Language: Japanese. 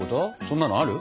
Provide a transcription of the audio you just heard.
そんなのある？